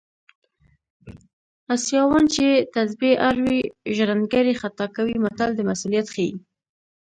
اسیاوان چې تسبې اړوي ژرندګړی خطا کوي متل د مسوولیت ښيي